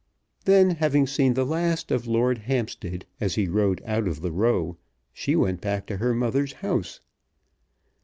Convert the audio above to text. Then, having seen the last of Lord Hampstead as he rode out of the Row, she went back to her mother's house.